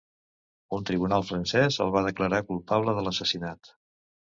Un tribunal francès el va declarar culpable de l'assassinat.